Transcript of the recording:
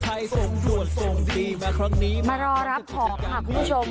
ใครส่งตรวจส่งพี่มาครั้งนี้มารอรับของค่ะคุณผู้ชม